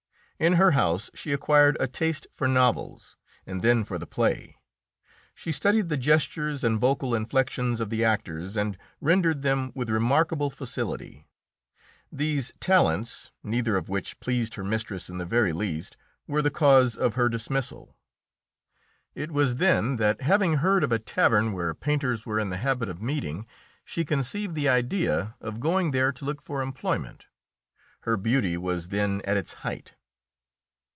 In her house she acquired a taste for novels, and then for the play. She studied the gestures and vocal inflections of the actors, and rendered them with remarkable facility. These talents, neither of which pleased her mistress in the very least, were the cause of her dismissal. It was then that, having heard of a tavern where painters were in the habit of meeting, she conceived the idea of going there to look for employment. Her beauty was then at its height.